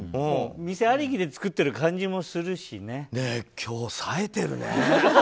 店ありきで作ってる今日さえてるね！